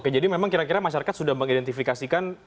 oke jadi memang kira kira masyarakat sudah mengidentifikasikan